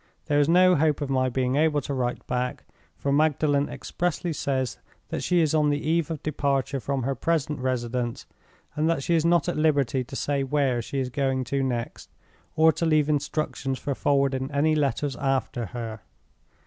There is no hope of my being able to write back, for Magdalen expressly says that she is on the eve of departure from her present residence, and that she is not at liberty to say where she is going to next, or to leave instructions for forwarding any letters after her.